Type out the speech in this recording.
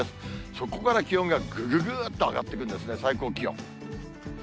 そこから気温がぐぐぐっと上がってくるんですね、最高気温。